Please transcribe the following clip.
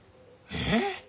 えっ！？